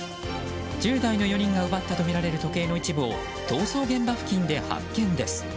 １０代の４人が奪ったとみられる時計の一部を逃走現場付近で発見です。